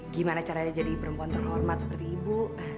gimana caranya jadi perempuan terhormat seperti ibu